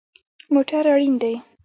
موټر اړین دی